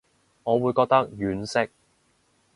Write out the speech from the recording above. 我會覺得婉惜